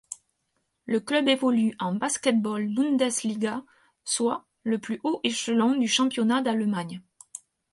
Le club évolue en Basketball-Bundesliga, soit le plus haut échelon du championnat d'Allemagne.